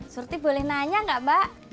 surti boleh nanya nggak mbak